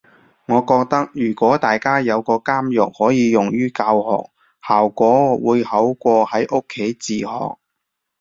我覺得如果大家有個監獄可以用於教學，效果會好過喺屋企自學